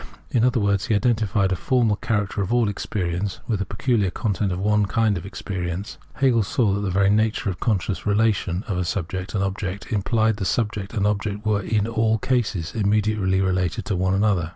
In other words, he identified a formal character of all experience with the peculiar content of one kind of experience. Hegel saw that the very nature of the conscious relation of subject and object implied that subject and object were in all cases immediately related to one another.